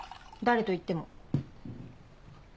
誰と行っても。